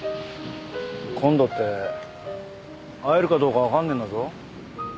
今度って会えるかどうかわかんねえんだぞ。